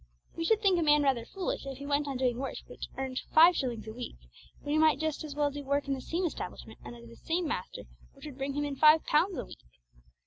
We should think a man rather foolish if he went on doing work which earned five shillings a week, when he might just as well do work in the same establishment and under the same master which would bring him in five pounds a week.